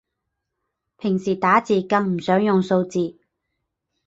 平時打字更唔想用數字